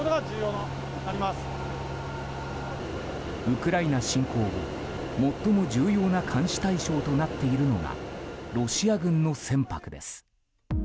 ウクライナ侵攻後、最も重要な監視対象となっているのがロシア軍の船舶です。